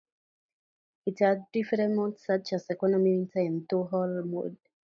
It had different modes, such as: Economy, Winter and Tow-Haul mode.